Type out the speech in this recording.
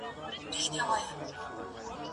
زه اوږده وخت سبزیجات وچوم وم؟